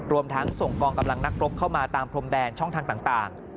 รวมทั้งส่งกองกำลังนักรบเข้ามาตามพรมแดนช่องทางต่าง